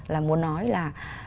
là muốn nói là